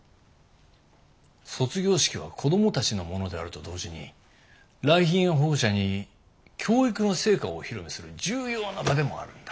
卒業式は子供たちのものであると同時に来賓や保護者に教育の成果をお披露目する重要な場でもあるんだ。